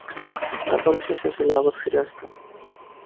টাকা পয়সা শেষ হলে আবার ফিরে আসতাম।